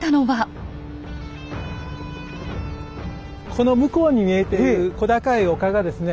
この向こうに見えている小高い丘がですね